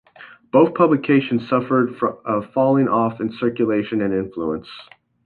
Both publications suffered a falling-off in circulation and influence.